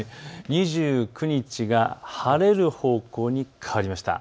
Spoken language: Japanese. ２９日が晴れる方向に変わりました。